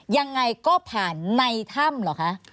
ยังไงก็ผ่านในถ้ำเหรอคะ